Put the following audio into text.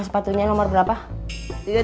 kalau nanya kan polisi